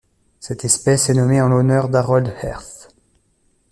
Cette espèce est nommée en l'honneur d'Harold Heath.